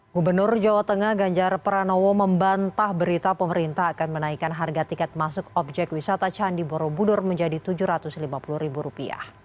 gubernur jawa tengah ganjar pranowo membantah berita pemerintah akan menaikkan harga tiket masuk objek wisata candi borobudur menjadi rp tujuh ratus lima puluh